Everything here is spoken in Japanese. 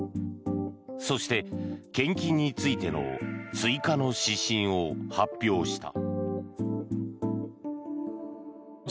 そして、献金についての追加の指針を発表した。